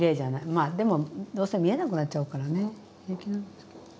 まあでもどうせ見えなくなっちゃうからね平気なんですけど。